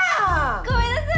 ごめんなさい！